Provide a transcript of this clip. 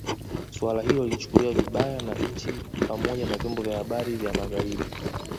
Suala hilo lilichukuliwa vibaya na nchi pamoja na vyombo vya habari vya Magharibi